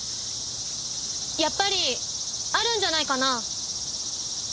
やっぱりあるんじゃないかな。